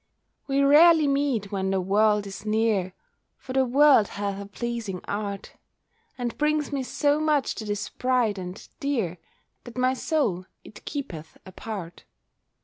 We rarely meet when the world is near, For the World hath a pleasing art And brings me so much that is bright and dear That my Soul it keepeth apart.